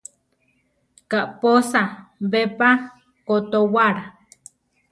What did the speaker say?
Kaʼpósa be pa kotowála?